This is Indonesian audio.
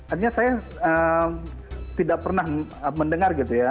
artinya saya tidak pernah mendengar gitu ya